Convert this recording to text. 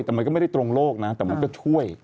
แต่มันก็ไม่ได้ตรงโลกนะแต่มันก็ช่วย